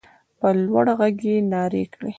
په لوړ غږ يې نارې کړې.